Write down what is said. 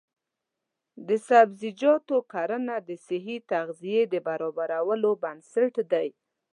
د سبزیجاتو کرنه د صحي تغذیې د برابرولو بنسټ دی.